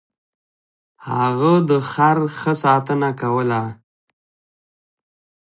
هغه د خر ښه ساتنه کوله.